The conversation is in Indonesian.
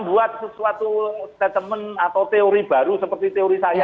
membuat sesuatu statement atau teori baru seperti teori saya